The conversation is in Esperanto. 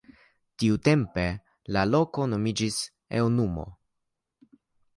Tiutempe la loko nomiĝis Eŭnumo.